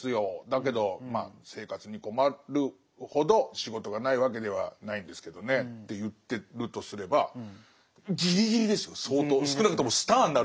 だけど生活に困るほど仕事がないわけではないんですけどね」って言ってるとすればギリギリですよ相当。